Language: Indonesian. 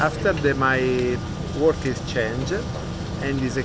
setelah itu pekerjaan saya berubah